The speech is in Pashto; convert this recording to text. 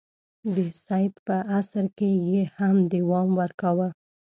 د سید په عصر کې یې هم دوام ورکاوه.